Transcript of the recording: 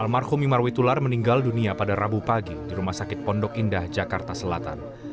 almarhum imar witular meninggal dunia pada rabu pagi di rumah sakit pondok indah jakarta selatan